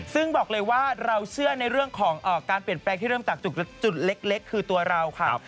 ซึ่งบอกเลยว่าเราเชื่อในเรื่องของการเปลี่ยนแปลงที่เริ่มจากจุดเล็กคือตัวเราค่ะ